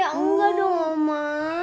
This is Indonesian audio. ya enggak dong oma